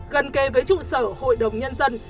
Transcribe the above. gần kề với trụ sở hội đồng nhân dân